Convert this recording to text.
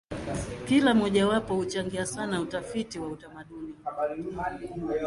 Kila mojawapo huchangia sana utafiti wa utamaduni.